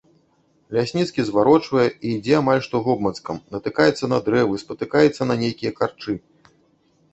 Лясніцкі зварочвае і ідзе амаль што вобмацкам, натыкаецца на дрэвы, спатыкаецца на нейкія карчы.